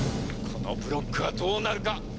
このブロックはどうなるか？